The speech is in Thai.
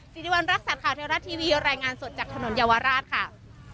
สีดีวันรักษาข่าวเทวราชทีวีรายงานสดจากถนนเยาวราชค่ะ